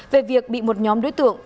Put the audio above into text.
về việc bị một nhóm đối tượng